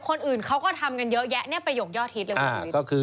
คนอื่นเขาก็ทำกันเยอะแยะนี่ประโยคย่อทิศเลยครับ